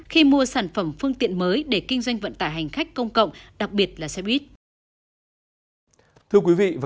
khi mua sản phẩm phương tiện mới để kinh doanh vận tải hành khách công cộng đặc biệt là xe buýt